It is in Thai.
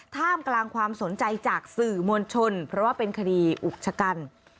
ท่ามกลางความสนใจจากสื่อมวลชนเพราะว่าเป็นคดีอุกชะกัน